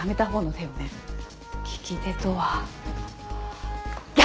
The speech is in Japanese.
利き手とは逆！